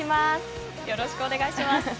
よろしくお願いします。